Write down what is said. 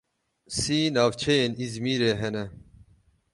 Sî navçeyên Îzmîrê hene.